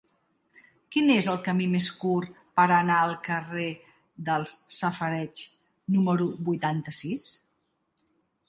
Quin és el camí més curt per anar al carrer dels Safareigs número vuitanta-sis?